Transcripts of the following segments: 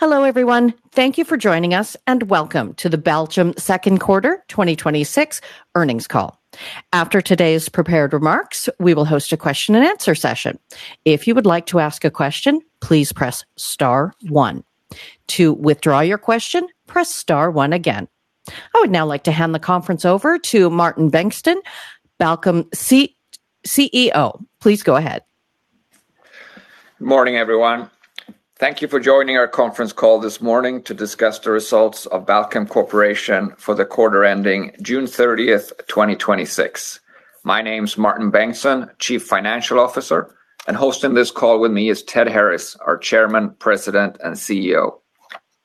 Hello, everyone. Thank you for joining us, and welcome to the Balchem second quarter 2026 earnings call. After today's prepared remarks, we will host a question and answer session. If you would like to ask a question, please press star one. To withdraw your question, press star one again. I would now like to hand the conference over to Martin Bengtsson, Balchem CFO. Please go ahead. Morning, everyone. Thank you for joining our conference call this morning to discuss the results of Balchem Corporation for the quarter ending June 30th, 2026. My name's Martin Bengtsson, Chief Financial Officer, and hosting this call with me is Ted Harris, our Chairman, President, and CEO.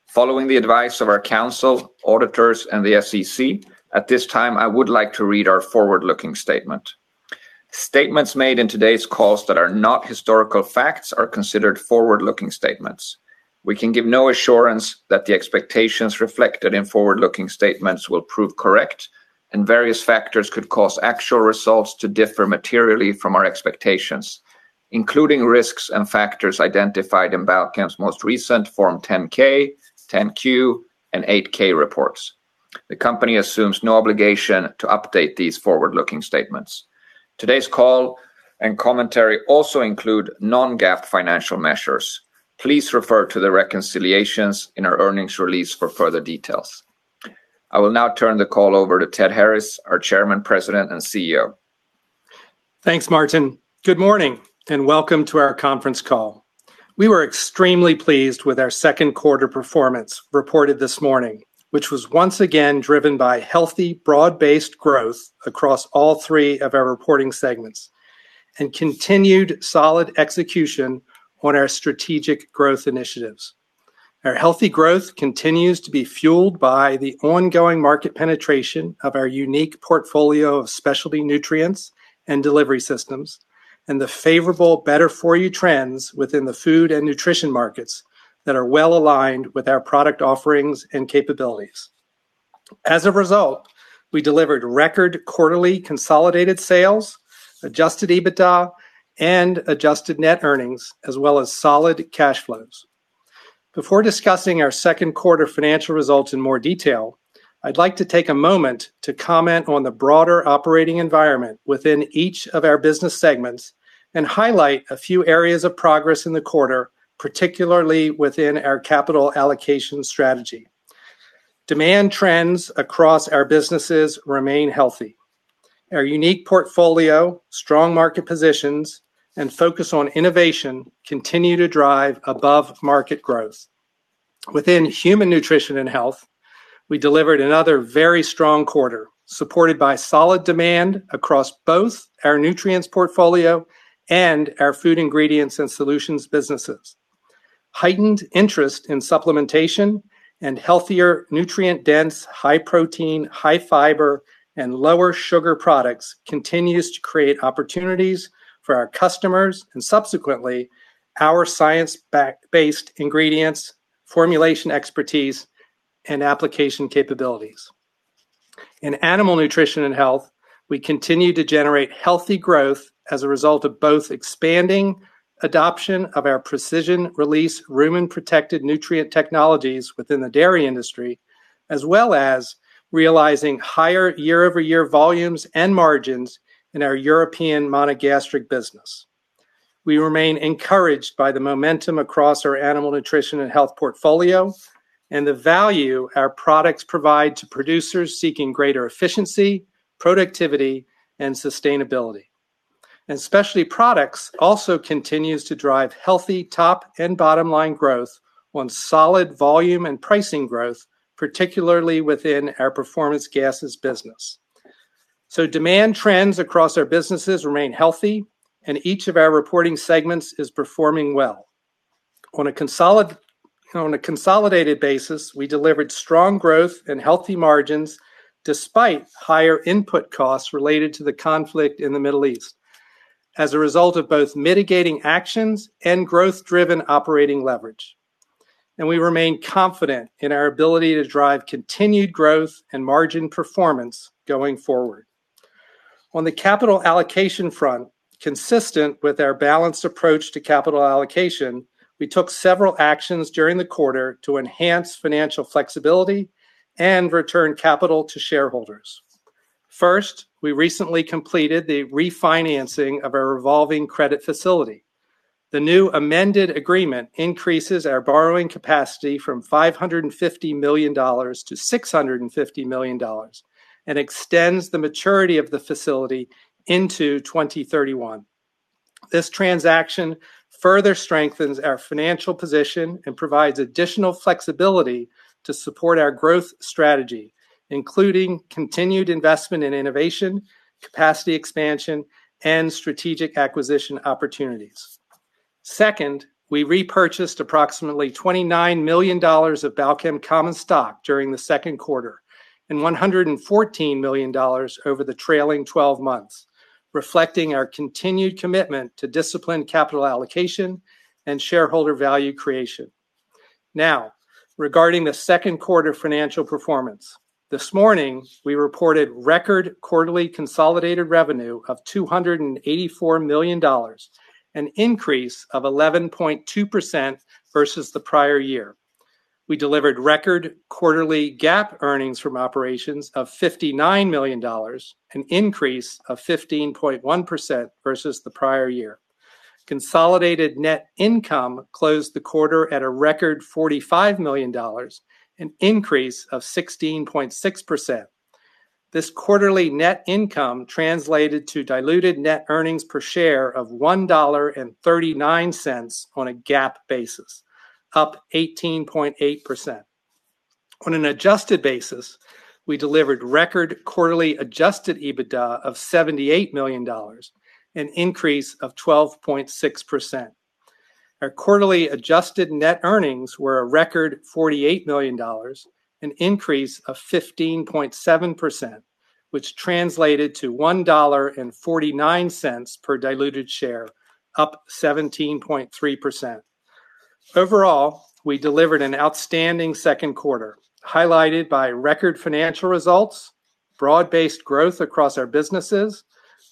Following the advice of our counsel, auditors, and the SEC, at this time, I would like to read our forward-looking statement. Statements made in today's calls that are not historical facts are considered forward-looking statements. We can give no assurance that the expectations reflected in forward-looking statements will prove correct, and various factors could cause actual results to differ materially from our expectations, including risks and factors identified in Balchem's most recent Form 10-K, 10-Q, and 8-K reports. The company assumes no obligation to update these forward-looking statements. Today's call and commentary also include non-GAAP financial measures. Please refer to the reconciliations in our earnings release for further details. I will now turn the call over to Ted Harris, our Chairman, President, and CEO. Thanks, Martin. Good morning, and welcome to our conference call. We were extremely pleased with our second quarter performance reported this morning, which was once again driven by healthy, broad-based growth across all three of our reporting segments and continued solid execution on our strategic growth initiatives. Our healthy growth continues to be fueled by the ongoing market penetration of our unique portfolio of specialty nutrients and delivery systems and the favorable better-for-you trends within the food and nutrition markets that are well-aligned with our product offerings and capabilities. As a result, we delivered record quarterly consolidated sales, adjusted EBITDA, and adjusted net earnings, as well as solid cash flows. Before discussing our second quarter financial results in more detail, I'd like to take a moment to comment on the broader operating environment within each of our business segments and highlight a few areas of progress in the quarter, particularly within our capital allocation strategy. Demand trends across our businesses remain healthy. Our unique portfolio, strong market positions, and focus on innovation continue to drive above-market growth. Within Human Nutrition & Health, we delivered another very strong quarter, supported by solid demand across both our nutrients portfolio and our food ingredients and solutions businesses. Heightened interest in supplementation and healthier nutrient-dense, high protein, high fiber, and lower sugar products continues to create opportunities for our customers and subsequently, our science-based ingredients, formulation expertise, and application capabilities. In Animal Nutrition & Health, we continue to generate healthy growth as a result of both expanding adoption of our precision-release rumen-protected nutrient technologies within the dairy industry, as well as realizing higher year-over-year volumes and margins in our European monogastric business. We remain encouraged by the momentum across our Animal Nutrition & Health portfolio and the value our products provide to producers seeking greater efficiency, productivity, and sustainability. Specialty Products also continues to drive healthy top and bottom-line growth on solid volume and pricing growth, particularly within our performance gases business. Demand trends across our businesses remain healthy, and each of our reporting segments is performing well. On a consolidated basis, we delivered strong growth and healthy margins despite higher input costs related to the conflict in the Middle East as a result of both mitigating actions and growth-driven operating leverage. We remain confident in our ability to drive continued growth and margin performance going forward. On the capital allocation front, consistent with our balanced approach to capital allocation, we took several actions during the quarter to enhance financial flexibility and return capital to shareholders. First, we recently completed the refinancing of our revolving credit facility. The new amended agreement increases our borrowing capacity from $550 million-$650 million and extends the maturity of the facility into 2031. This transaction further strengthens our financial position and provides additional flexibility to support our growth strategy, including continued investment in innovation, capacity expansion, and strategic acquisition opportunities. Second, we repurchased approximately $29 million of Balchem common stock during the second quarter and $114 million over the trailing 12 months, reflecting our continued commitment to disciplined capital allocation and shareholder value creation. Regarding the second quarter financial performance, this morning, we reported record quarterly consolidated revenue of $284 million, an increase of 11.2% versus the prior year. We delivered record quarterly GAAP earnings from operations of $59 million, an increase of 15.1% versus the prior year. Consolidated net income closed the quarter at a record $45 million, an increase of 16.6%. This quarterly net income translated to diluted net earnings per share of $1.39 on a GAAP basis, up 18.8%. On an adjusted basis, we delivered record quarterly adjusted EBITDA of $78 million, an increase of 12.6%. Our quarterly adjusted net earnings were a record $48 million, an increase of 15.7%, which translated to $1.49 per diluted share, up 17.3%. Overall, we delivered an outstanding second quarter, highlighted by record financial results, broad-based growth across our businesses,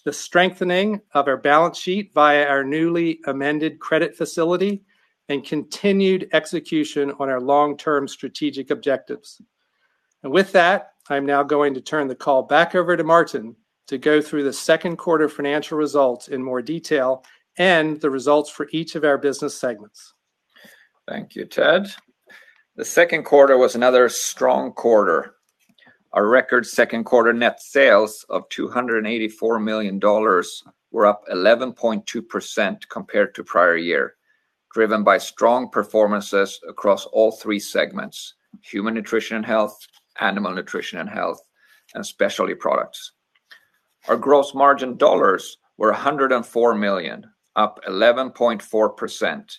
the strengthening of our balance sheet via our newly amended credit facility, and continued execution on our long-term strategic objectives. With that, I'm now going to turn the call back over to Martin to go through the second quarter financial results in more detail and the results for each of our business segments. Thank you, Ted. The second quarter was another strong quarter. Our record second quarter net sales of $284 million were up 11.2% compared to prior year, driven by strong performances across all three segments: Human Nutrition & Health, Animal Nutrition & Health, and Specialty Products. Our gross margin dollars were $104 million, up 11.4%,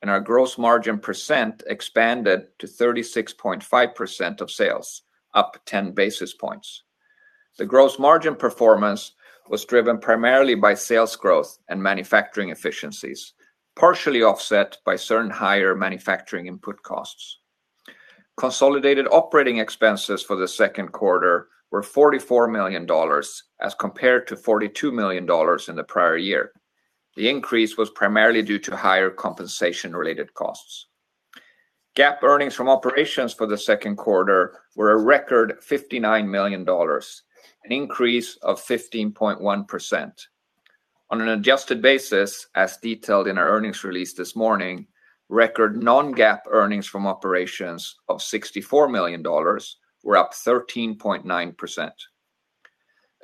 and our gross margin percent expanded to 36.5% of sales, up 10 basis points. The gross margin performance was driven primarily by sales growth and manufacturing efficiencies, partially offset by certain higher manufacturing input costs. Consolidated operating expenses for the second quarter were $44 million as compared to $42 million in the prior year. The increase was primarily due to higher compensation-related costs. GAAP earnings from operations for the second quarter were a record $59 million, an increase of 15.1%. On an adjusted basis, as detailed in our earnings release this morning, record non-GAAP earnings from operations of $64 million were up 13.9%.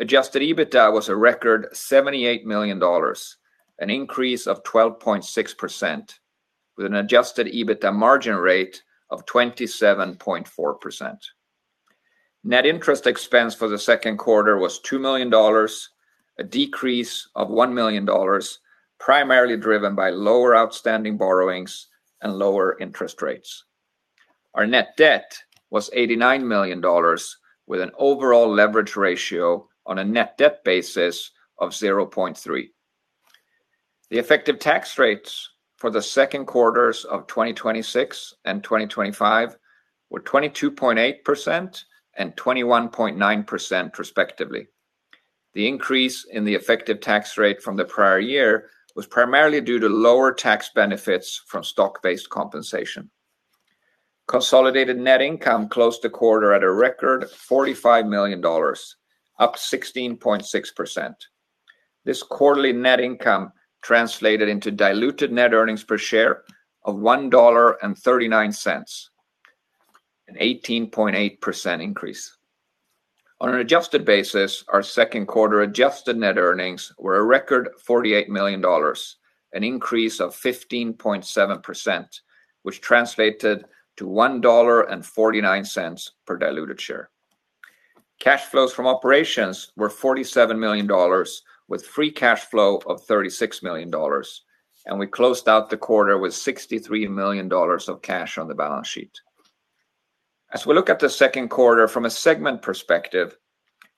Adjusted EBITDA was a record $78 million, an increase of 12.6%, with an adjusted EBITDA margin rate of 27.4%. Net interest expense for the second quarter was $2 million, a decrease of $1 million, primarily driven by lower outstanding borrowings and lower interest rates. Our net debt was $89 million, with an overall leverage ratio on a net debt basis of 0.3. The effective tax rates for the second quarters of 2026 and 2025 were 22.8% and 21.9%, respectively. The increase in the effective tax rate from the prior year was primarily due to lower tax benefits from stock-based compensation. Consolidated net income closed the quarter at a record $45 million, up 16.6%. This quarterly net income translated into diluted net earnings per share of $1.39, an 18.8% increase. On an adjusted basis, our second quarter adjusted net earnings were a record $48 million, an increase of 15.7%, which translated to $1.49 per diluted share. Cash flows from operations were $47 million, with free cash flow of $36 million, and we closed out the quarter with $63 million of cash on the balance sheet. As we look at the second quarter from a segment perspective,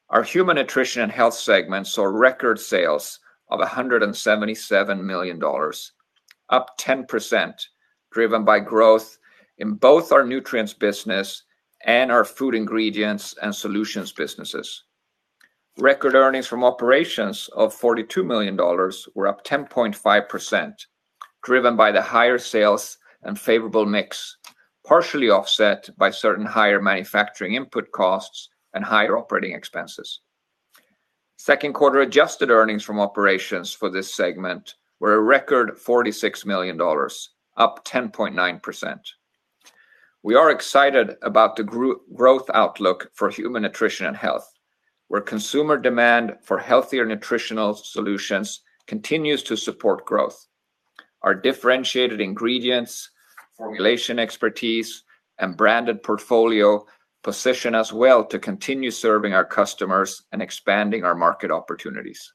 our Human Nutrition & Health segment saw record sales of $177 million, up 10%, driven by growth in both our nutrients business and our food ingredients and solutions businesses. Record earnings from operations of $42 million were up 10.5%, driven by the higher sales and favorable mix, partially offset by certain higher manufacturing input costs and higher operating expenses. Second quarter adjusted earnings from operations for this segment were a record $46 million, up 10.9%. We are excited about the growth outlook for Human Nutrition & Health, where consumer demand for healthier nutritional solutions continues to support growth. Our differentiated ingredients, formulation expertise, and branded portfolio position us well to continue serving our customers and expanding our market opportunities.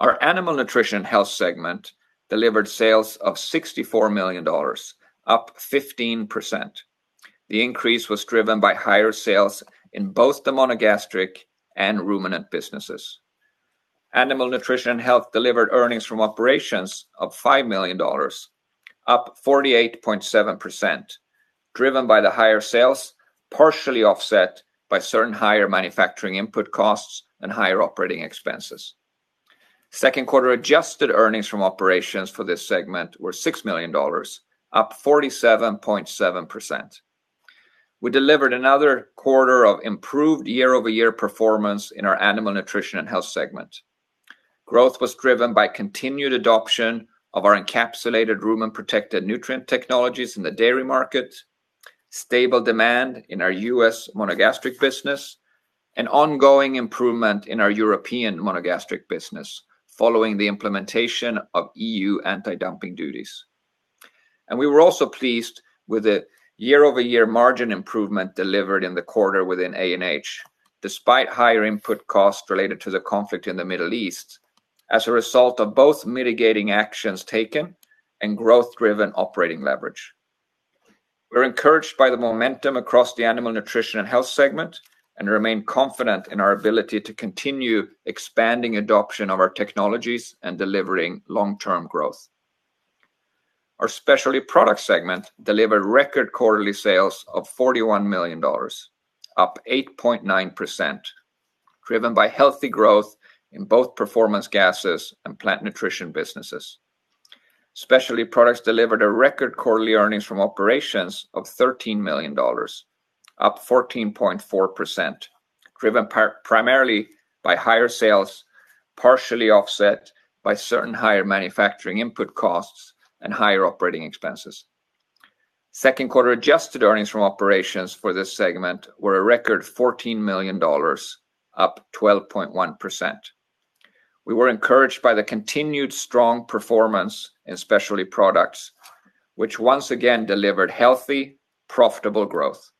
Our Animal Nutrition and Health segment delivered sales of $64 million, up 15%. The increase was driven by higher sales in both the monogastric and ruminant businesses. Animal Nutrition and Health delivered earnings from operations of $5 million, up 48.7%, driven by the higher sales, partially offset by certain higher manufacturing input costs and higher operating expenses. Second quarter adjusted earnings from operations for this segment were $6 million, up 47.7%. We delivered another quarter of improved year-over-year performance in our Animal Nutrition and Health segment. Growth was driven by continued adoption of our encapsulated rumen protected nutrient technologies in the dairy market, stable demand in our U.S. monogastric business, and ongoing improvement in our European monogastric business, following the implementation of EU anti-dumping duties. We were also pleased with the year-over-year margin improvement delivered in the quarter within ANH, despite higher input costs related to the conflict in the Middle East as a result of both mitigating actions taken and growth-driven operating leverage. We're encouraged by the momentum across the Animal Nutrition and Health segment, and remain confident in our ability to continue expanding adoption of our technologies and delivering long-term growth. Our Specialty Products segment delivered record quarterly sales of $41 million, up 8.9%, driven by healthy growth in both performance gases and plant nutrition businesses. Specialty Products delivered a record quarterly earnings from operations of $13 million, up 14.4%, driven primarily by higher sales, partially offset by certain higher manufacturing input costs and higher operating expenses. Second quarter adjusted earnings from operations for this segment were a record $14 million, up 12.1%. We were encouraged by the continued strong performance in Specialty Products, which once again delivered healthy, profitable growth.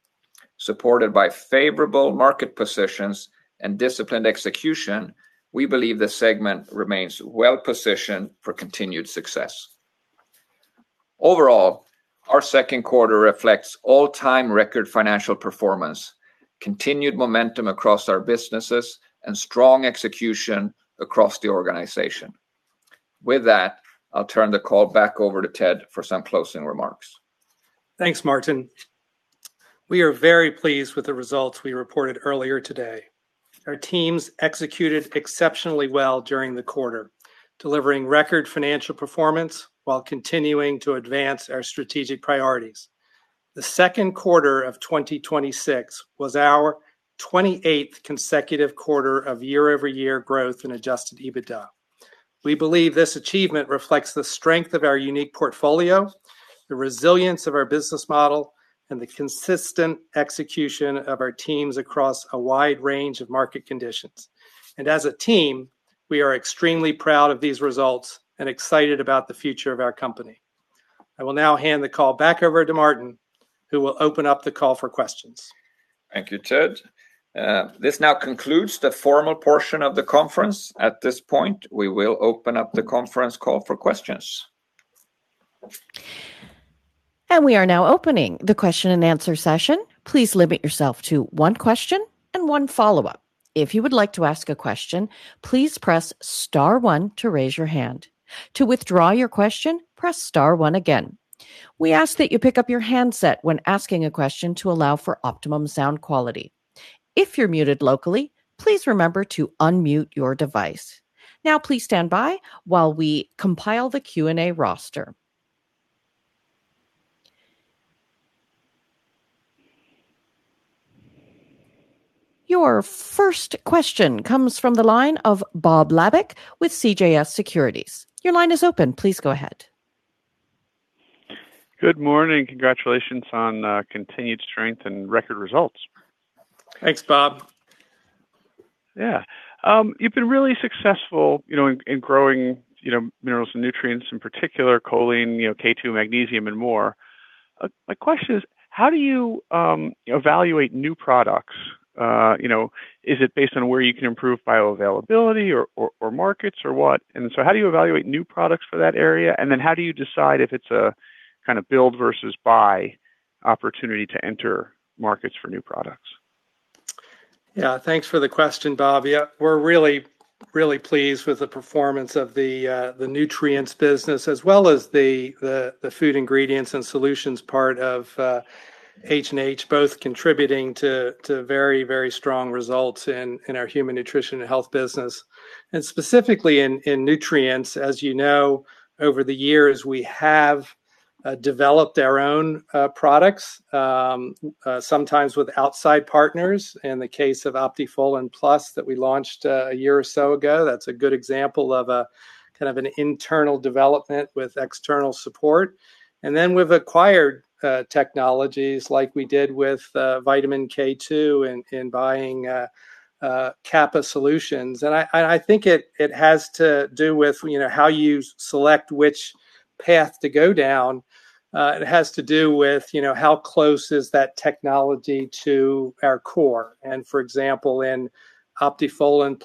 Supported by favorable market positions and disciplined execution, we believe the segment remains well positioned for continued success. Overall, our second quarter reflects all-time record financial performance, continued momentum across our businesses, and strong execution across the organization. With that, I'll turn the call back over to Ted for some closing remarks. Thanks, Martin. We are very pleased with the results we reported earlier today. Our teams executed exceptionally well during the quarter, delivering record financial performance while continuing to advance our strategic priorities. The second quarter of 2026 was our 28th consecutive quarter of year-over-year growth in adjusted EBITDA. We believe this achievement reflects the strength of our unique portfolio, the resilience of our business model, and the consistent execution of our teams across a wide range of market conditions. As a team, we are extremely proud of these results and excited about the future of our company. I will now hand the call back over to Martin, who will open up the call for questions. Thank you, Ted. This now concludes the formal portion of the conference. At this point, we will open up the conference call for questions. We are now opening the question and answer session. Please limit yourself to one question and one follow-up. If you would like to ask a question, please press star one to raise your hand. To withdraw your question, press star one again. We ask that you pick up your handset when asking a question to allow for optimum sound quality. If you're muted locally, please remember to unmute your device. Now please stand by while we compile the Q&A roster. Your first question comes from the line of Bob Labick with CJS Securities. Your line is open. Please go ahead. Good morning. Congratulations on continued strength and record results. Thanks, Bob. Yeah. You've been really successful in growing minerals and nutrients, in particular choline, K2, magnesium, and more. My question is, how do you evaluate new products? Is it based on where you can improve bioavailability, or markets, or what? How do you evaluate new products for that area, and then how do you decide if it's a kind of build versus buy opportunity to enter markets for new products? Yeah, thanks for the question, Bob. Yeah, we're really, really pleased with the performance of the nutrients business as well as the food ingredients and solutions part of H&H both contributing to very strong results in our Human Nutrition and Health business. Specifically in nutrients, as you know, over the years, we have developed our own products, sometimes with outside partners. In the case of Optifolin+ that we launched a year or so ago, that's a good example of an internal development with external support. Then we've acquired technologies like we did with vitamin K2 in buying Kappa Bioscience. I think it has to do with how you select which path to go down. It has to do with how close is that technology to our core. For example, in Optifolin+,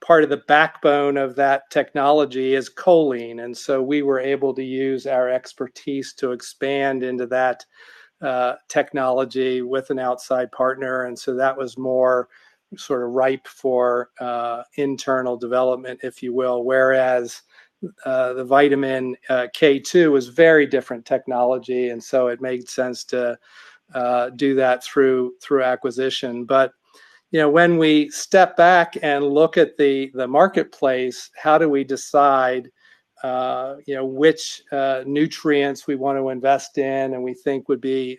part of the backbone of that technology is choline. We were able to use our expertise to expand into that technology with an outside partner. That was more ripe for internal development, if you will. Whereas, the vitamin K2 was very different technology, and so it made sense to do that through acquisition. When we step back and look at the marketplace, how do we decide which nutrients we want to invest in and we think would be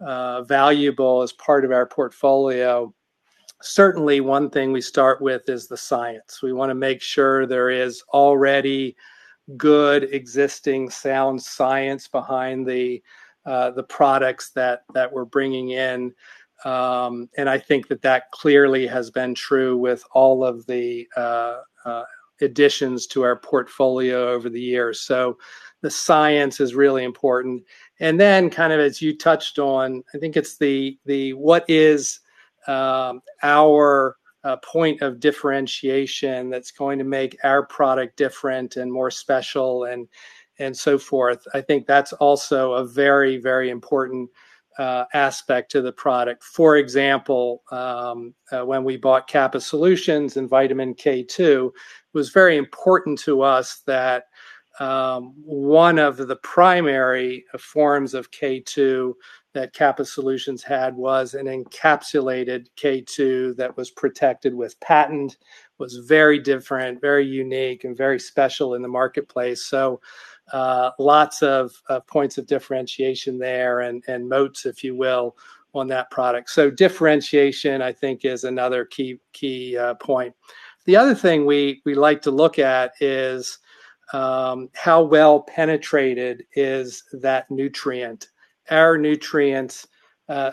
valuable as part of our portfolio? Certainly, one thing we start with is the science. We want to make sure there is already good existing sound science behind the products that we're bringing in. I think that clearly has been true with all of the additions to our portfolio over the years. The science is really important. Then as you touched on, I think it's the, what is our point of differentiation that's going to make our product different and more special and so forth. I think that's also a very important aspect to the product. For example, when we bought Kappa Bioscience and vitamin K2, it was very important to us that one of the primary forms of K2 that Kappa Bioscience had was an encapsulated K2 that was protected with patent, was very different, very unique, and very special in the marketplace. Lots of points of differentiation there and moats, if you will, on that product. Differentiation, I think, is another key point. The other thing we like to look at is, how well penetrated is that nutrient? Our nutrients,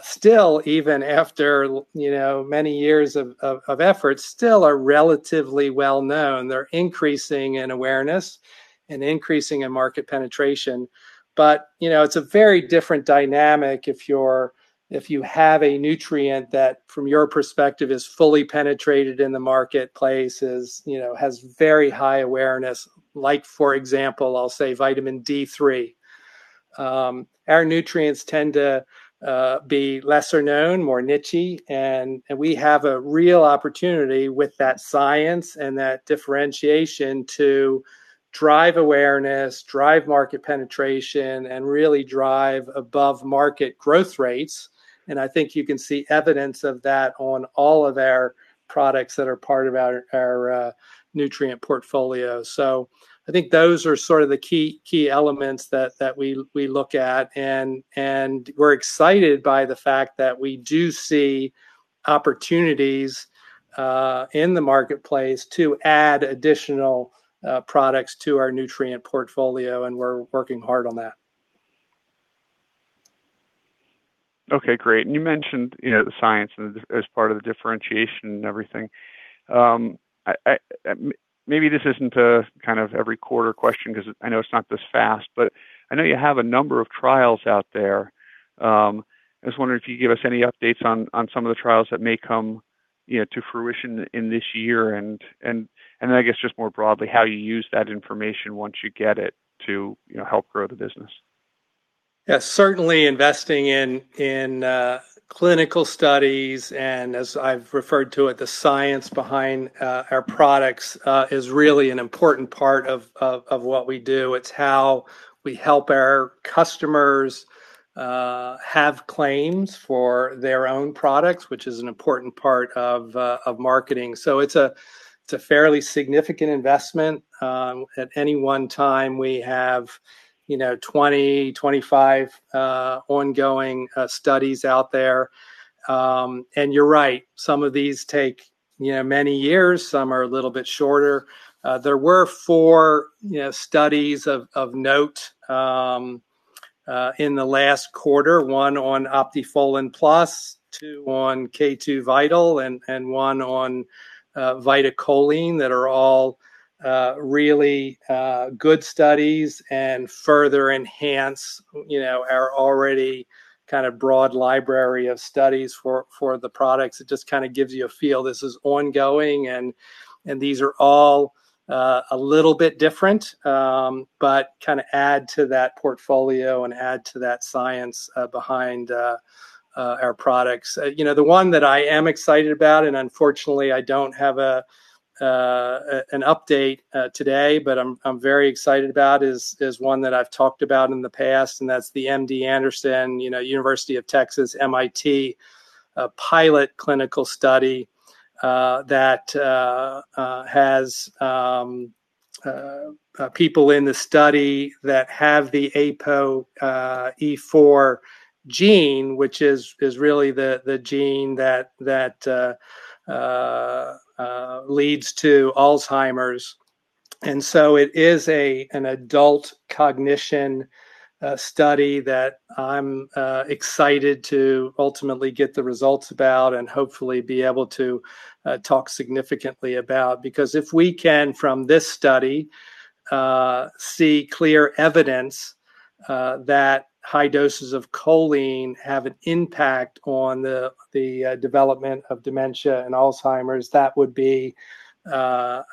still, even after many years of efforts, still are relatively well-known. They're increasing in awareness and increasing in market penetration. It's a very different dynamic if you have a nutrient that from your perspective is fully penetrated in the marketplace, has very high awareness. Like, for example, I'll say vitamin D3. Our nutrients tend to be lesser known, more nichey. We have a real opportunity with that science and that differentiation to drive awareness, drive market penetration, and really drive above market growth rates. I think you can see evidence of that on all of our products that are part of our nutrient portfolio. I think those are sort of the key elements that we look at, and we're excited by the fact that we do see opportunities in the marketplace to add additional products to our nutrient portfolio, and we're working hard on that. Okay, great. You mentioned the science as part of the differentiation and everything. Maybe this isn't a kind of every quarter question because I know it's not this fast, but I know you have a number of trials out there. I was wondering if you could give us any updates on some of the trials that may come to fruition in this year, and I guess just more broadly, how you use that information once you get it to help grow the business. Yes, certainly investing in clinical studies, and as I've referred to it, the science behind our products, is really an important part of what we do. It's how we help our customers have claims for their own products, which is an important part of marketing. It's a fairly significant investment. At any one time, we have 20, 25 ongoing studies out there. You're right. Some of these take many years. Some are a little bit shorter. There were four studies of note in the last quarter. One on Optifolin+, two on K2VITAL, and one on VitaCholine that are all really good studies and further enhance our already kind of broad library of studies for the products. It just kind of gives you a feel. This is ongoing and these are all a little bit different, but kind of add to that portfolio and add to that science behind our products. The one that I am excited about, and unfortunately, I don't have an update today, but I'm very excited about is one that I've talked about in the past. That's the MD Anderson, University of Texas, MIT pilot clinical study that has people in the study that have the ApoE4 gene, which is really the gene that leads to Alzheimer's. It is an adult cognition study that I'm excited to ultimately get the results about and hopefully be able to talk significantly about. If we can, from this study, see clear evidence that high doses of choline have an impact on the development of dementia and Alzheimer's, that would be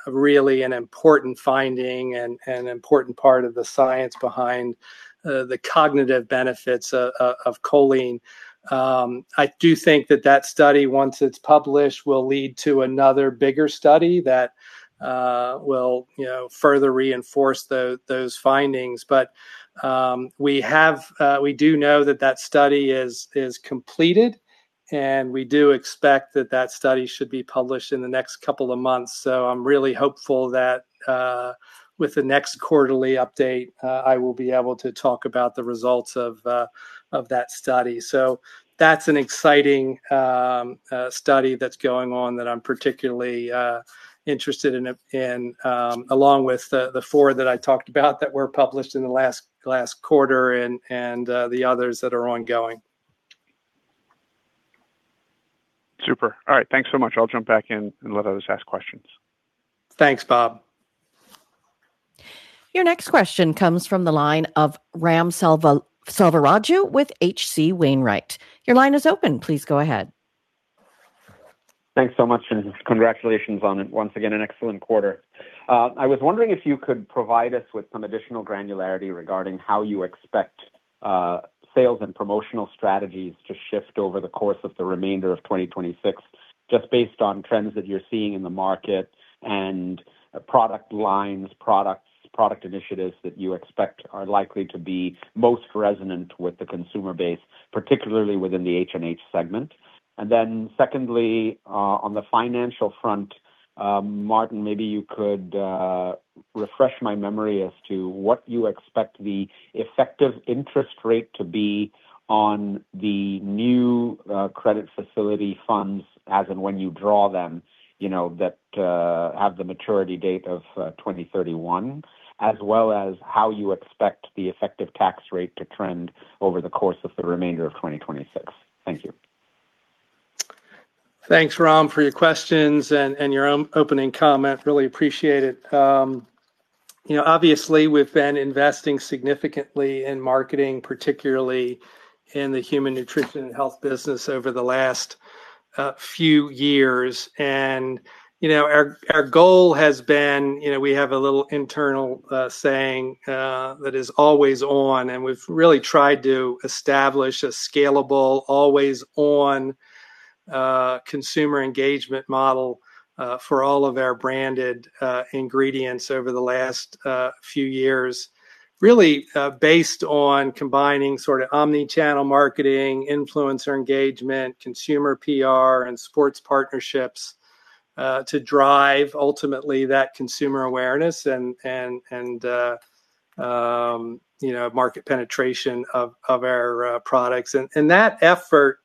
really an important finding and an important part of the science behind the cognitive benefits of choline. I do think that that study, once it's published, will lead to another bigger study that will further reinforce those findings. We do know that that study is completed, and we do expect that study should be published in the next couple of months. I'm really hopeful that with the next quarterly update, I will be able to talk about the results of that study. That's an exciting study that's going on that I'm particularly interested in, along with the four that I talked about that were published in the last quarter and the others that are ongoing. Super. All right. Thanks so much. I'll jump back in and let others ask questions. Thanks, Bob. Your next question comes from the line of Ram Selvaraju with H.C. Wainwright. Your line is open. Please go ahead. Thanks so much, and congratulations on, once again, an excellent quarter. I was wondering if you could provide us with some additional granularity regarding how you expect sales and promotional strategies to shift over the course of the remainder of 2026, just based on trends that you're seeing in the market and product lines, product initiatives that you expect are likely to be most resonant with the consumer base, particularly within the H&H segment. Secondly, on the financial front, Martin, maybe you could refresh my memory as to what you expect the effective interest rate to be on the new credit facility funds as and when you draw them, that have the maturity date of 2031. As well as how you expect the effective tax rate to trend over the course of the remainder of 2026. Thank you. Thanks, Ram, for your questions and your opening comment. Really appreciate it. Obviously, we've been investing significantly in marketing, particularly in the Human Nutrition & Health business over the last few years. Our goal has been, we have a little internal saying that is always on, and we've really tried to establish a scalable, always-on consumer engagement model for all of our branded ingredients over the last few years. Really based on combining omnichannel marketing, influencer engagement, consumer PR, and sports partnerships to drive, ultimately, that consumer awareness and market penetration of our products. That effort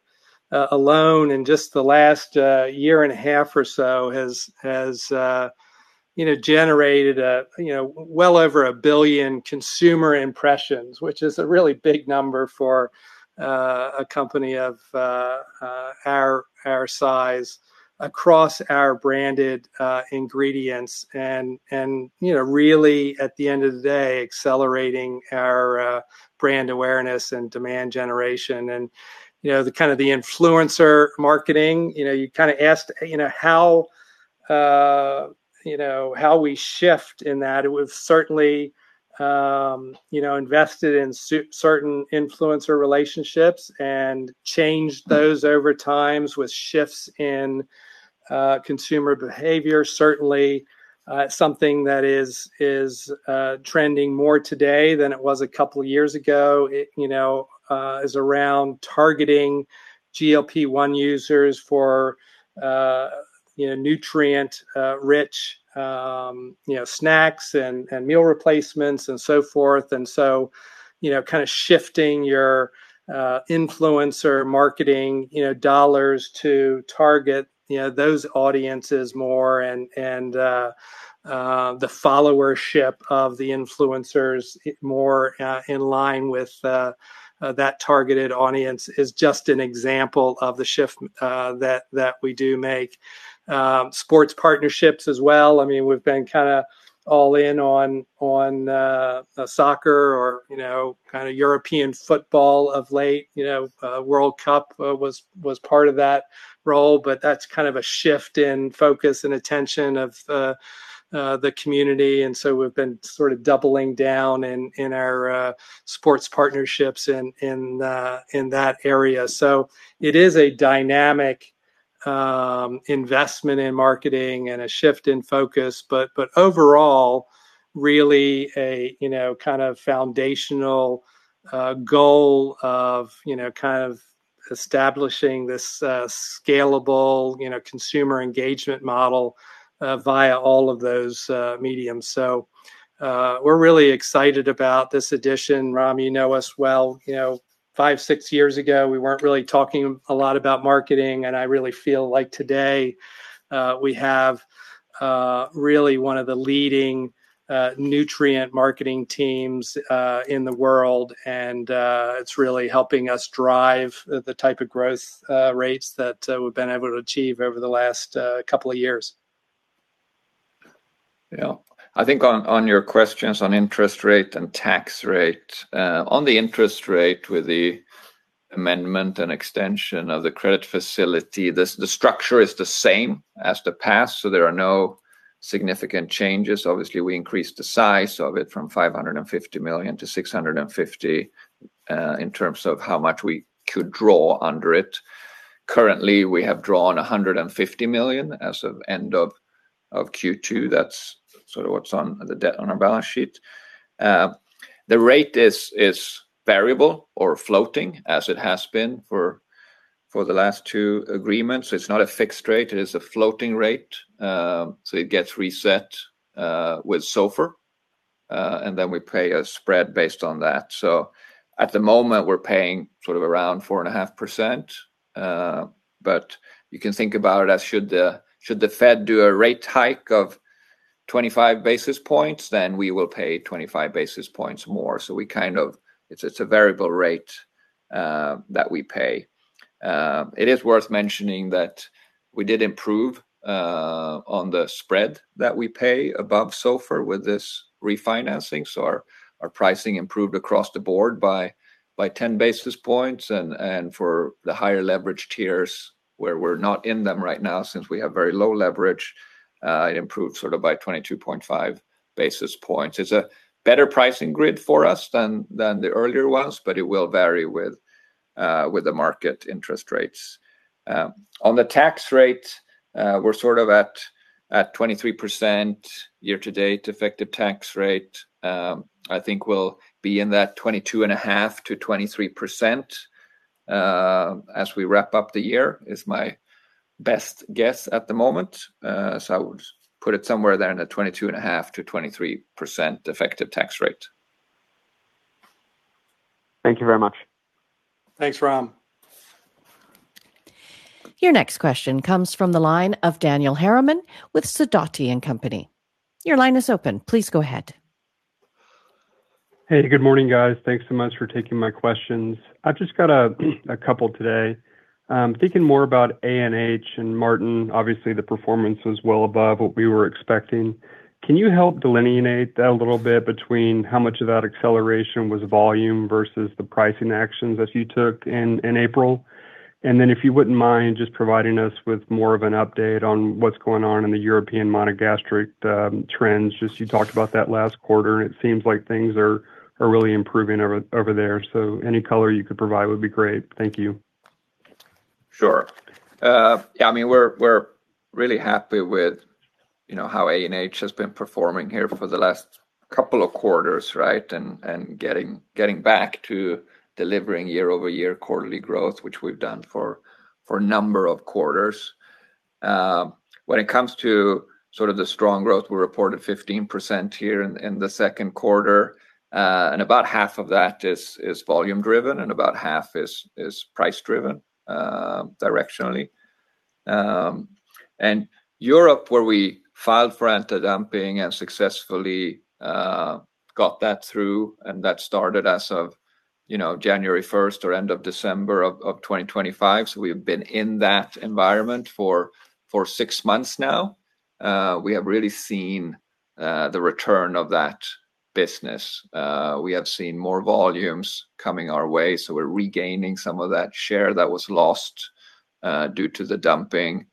alone, in just the last year and a half or so, has generated well over a billion consumer impressions, which is a really big number for a company of our size, across our branded ingredients. Really, at the end of the day, accelerating our brand awareness and demand generation. The influencer marketing, you asked how we shift in that. We've certainly invested in certain influencer relationships and changed those over times with shifts in consumer behavior. Certainly something that is trending more today than it was a couple of years ago is around targeting GLP-1 users for nutrient-rich snacks and meal replacements and so forth. Shifting your influencer marketing dollars to target those audiences more and the followership of the influencers more in line with that targeted audience is just an example of the shift that we do make. Sports partnerships as well. We've been kind of all-in on soccer or European football of late. World Cup was part of that role, but that's kind of a shift in focus and attention of the community, we've been sort of doubling down in our sports partnerships in that area. It is a dynamic investment in marketing and a shift in focus, but overall, really a kind of foundational goal of establishing this scalable consumer engagement model via all of those mediums. We're really excited about this addition. Ram, you know us well. Five, six years ago, we weren't really talking a lot about marketing, and I really feel like today we have really one of the leading nutrient marketing teams in the world. It's really helping us drive the type of growth rates that we've been able to achieve over the last couple of years. Yeah. I think on your questions on interest rate and tax rate, on the interest rate with the amendment and extension of the credit facility, the structure is the same as the past, so there are no significant changes. Obviously, we increased the size of it from $550 million-$650 million in terms of how much we could draw under it. Currently, we have drawn $150 million as of end of Q2. That's sort of what's on our balance sheet. The rate is variable or floating, as it has been for the last two agreements. It's not a fixed rate, it is a floating rate. It gets reset with SOFR and then we pay a spread based on that. At the moment, we're paying around 4.5%, but you can think about it as should the Fed do a rate hike of 25 basis points, then we will pay 25 basis points more. It's a variable rate that we pay. It is worth mentioning that we did improve on the spread that we pay above SOFR with this refinancing, so our pricing improved across the board by 10 basis points, and for the higher leverage tiers where we're not in them right now, since we have very low leverage, it improved by 22.5 basis points. It's a better pricing grid for us than the earlier ones, but it will vary with the market interest rates. On the tax rate, we're at 23% year to date effective tax rate. I think we'll be in that 22.5%-23% as we wrap up the year is my best guess at the moment. I would put it somewhere there in the 22.5%-23% effective tax rate. Thank you very much. Thanks, Ram. Your next question comes from the line of Daniel Harriman with Sidoti & Company. Your line is open. Please go ahead. Hey, good morning, guys. Thanks so much for taking my questions. I've just got a couple today. Thinking more about H&H and Martin, obviously the performance was well above what we were expecting. Can you help delineate that a little bit between how much of that acceleration was volume versus the pricing actions that you took in April? Then if you wouldn't mind just providing us with more of an update on what's going on in the European monogastric trends. Just you talked about that last quarter, and it seems like things are really improving over there. Any color you could provide would be great. Thank you. Sure. Yeah, we're really happy with how ANH has been performing here for the last couple of quarters, right? Getting back to delivering year-over-year quarterly growth, which we've done for a number of quarters. When it comes to the strong growth, we reported 15% here in the second quarter. About half of that is volume driven and about half is price driven directionally. Europe, where we filed for anti-dumping and successfully got that through, and that started as of January 1st or end of December of 2025. We've been in that environment for six months now. We have really seen the return of that business. We have seen more volumes coming our way, so we're regaining some of that share that was lost due to the dumping.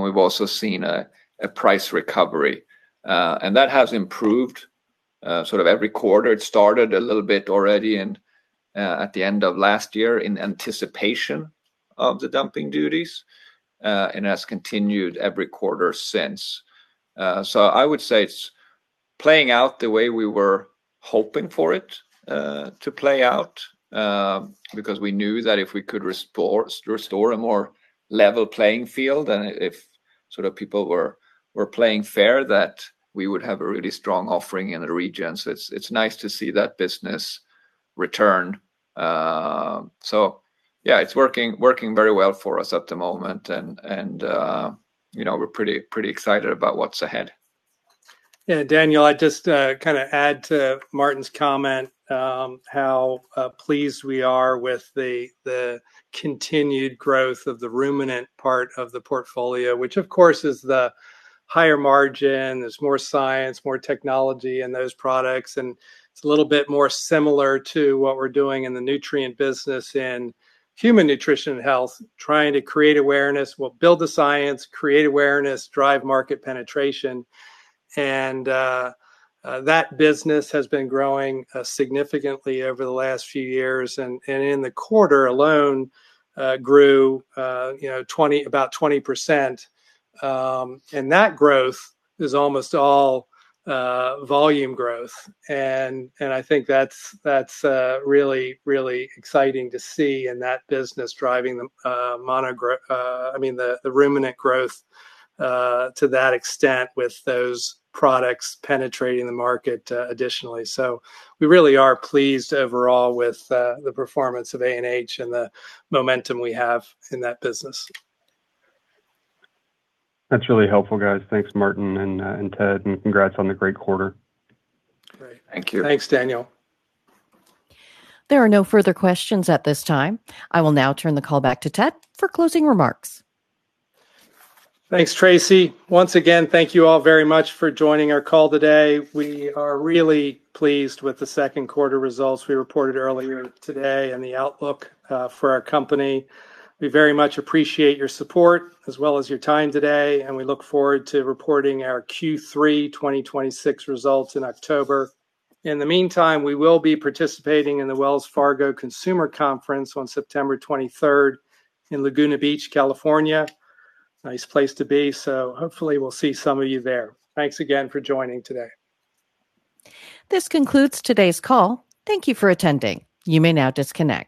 We've also seen a price recovery. That has improved every quarter. It started a little bit already at the end of last year in anticipation of the dumping duties, has continued every quarter since. I would say it's playing out the way we were hoping for it to play out, because we knew that if we could restore a more level playing field and if people were playing fair, that we would have a really strong offering in the region. It's nice to see that business return. Yeah, it's working very well for us at the moment, and we're pretty excited about what's ahead. Yeah, Daniel, I'd just add to Martin's comment how pleased we are with the continued growth of the ruminant part of the portfolio, which of course is the higher margin. There's more science, more technology in those products, and it's a little bit more similar to what we're doing in the nutrient business in Human Nutrition & Health, trying to create awareness. We'll build the science, create awareness, drive market penetration. That business has been growing significantly over the last few years. In the quarter alone, grew about 20%. That growth is almost all volume growth. I think that's really exciting to see in that business driving the ruminant growth to that extent with those products penetrating the market additionally. We really are pleased overall with the performance of ANH and the momentum we have in that business. That's really helpful, guys. Thanks, Martin and Ted, and congrats on the great quarter. Great. Thank you. Thanks, Daniel. There are no further questions at this time. I will now turn the call back to Ted for closing remarks. Thanks, Tracy. Once again, thank you all very much for joining our call today. We are really pleased with the second quarter results we reported earlier today and the outlook for our company. We very much appreciate your support as well as your time today, and we look forward to reporting our Q3 2026 results in October. In the meantime, we will be participating in the Wells Fargo Consumer Conference on September 23rd in Laguna Beach, California. Nice place to be. Hopefully we'll see some of you there. Thanks again for joining today. This concludes today's call. Thank you for attending. You may now disconnect.